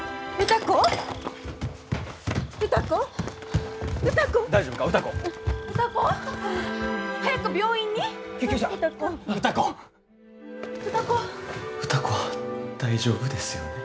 歌子は大丈夫ですよね？